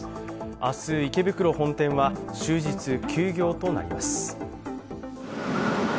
明日、池袋本店は終日、休業となります。